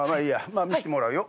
まあ見してもらうよ。